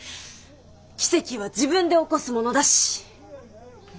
奇跡は自分で起こすものだし！